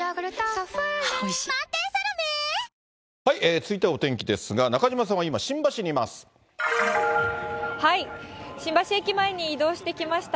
続いてはお天気ですが、中島さんは今、新橋駅前に移動してきました。